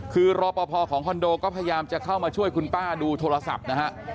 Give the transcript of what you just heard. คือรอปภของคอนโดก็พยายามจะเข้ามาช่วยคุณป้าดูโทรศัพท์นะฮะ